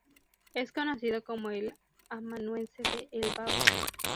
Es conocido como el amanuense de El Báb.